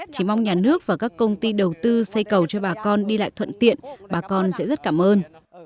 chỉ mong nhà nước và các công ty đầu tư xây cầu cho bà con đi lại thuận tiện bà con sẽ rất cảm ơn